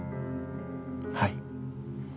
はい。